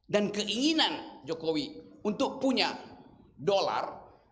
dan keinginan jokowi untuk punya dolar